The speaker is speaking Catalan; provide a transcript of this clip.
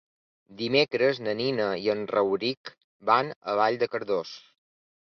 Dimecres na Nina i en Rauric van a Vall de Cardós.